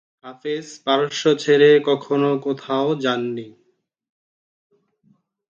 হাফেজ পারস্য ছেড়ে কখনো কোথাও যাননি।